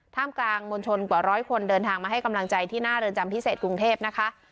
กลางมวลชนกว่าร้อยคนเดินทางมาให้กำลังใจที่หน้าเรือนจำพิเศษกรุงเทพนะคะ